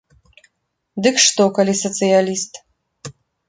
Дык што, калі сацыяліст.